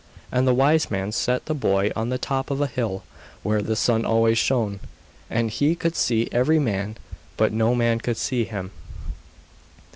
And the wise man set the boy on the top of a hill where the sun always shone, and he could see every man, but no man could see him.